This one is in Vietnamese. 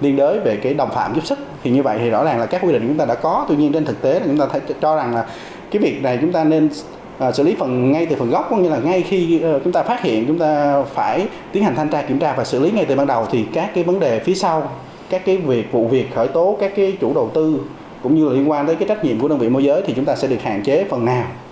liên đối về cái đồng phạm giúp sức thì như vậy thì rõ ràng là các quy định chúng ta đã có tuy nhiên trên thực tế là chúng ta phải cho rằng là cái việc này chúng ta nên xử lý phần ngay từ phần gốc cũng như là ngay khi chúng ta phát hiện chúng ta phải tiến hành thanh tra kiểm tra và xử lý ngay từ ban đầu thì các cái vấn đề phía sau các cái việc vụ việc khởi tố các cái chủ đầu tư cũng như là liên quan tới cái trách nhiệm của đơn vị môi giới thì chúng ta sẽ được hạn chế phần nào